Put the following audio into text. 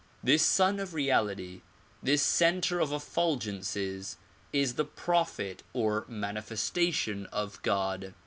This Sun of Reality, this center of effulgences is the prophet or manifestation of God.